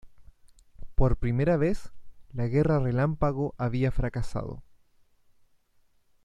Por primera vez, la guerra relámpago había fracasado.